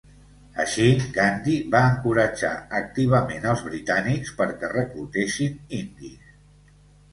Així, Gandhi va encoratjar activament als britànics perquè reclutessin indis.